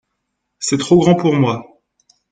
c'est trop grand pour moi.